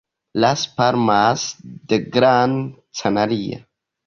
Las Palmas de Gran Canaria.